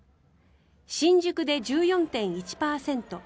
新宿で１４．１％